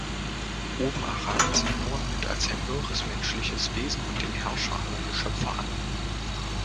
Obn Arabi sieht Mohammed als ein höheres menschliches Wesen und den Herrscher aller Geschöpfe an.